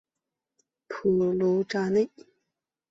普卢扎内。